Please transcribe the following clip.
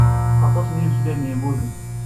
Aṭas n yiselman ay yemmuten.